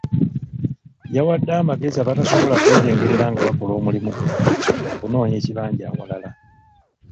Yawadde amagezi abatasobola kwetengerera nga bakola omulimu guno okunoonya ekibanja awalala.